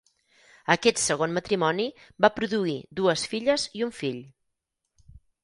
Aquest segon matrimoni va produir dues filles i un fill.